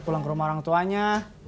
pulang ke rumah orang tuanya